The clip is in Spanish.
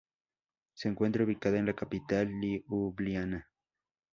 Se encuentra ubicada en la capital, Liubliana.